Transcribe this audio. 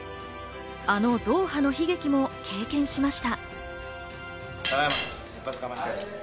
あのドーハの悲劇も経験しました。